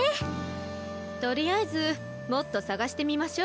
とりあえずもっと探してみましょ。